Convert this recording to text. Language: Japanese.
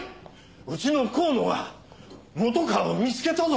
うちの河野が本川を見つけたぞ！